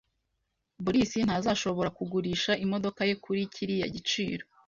Borisi ntazashobora kugurisha imodoka ye kuri kiriya giciro.